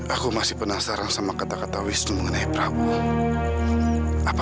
aku aneh banget ya non